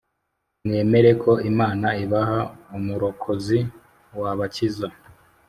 Mwemere ko Imana ibaha umurokozi wabakiza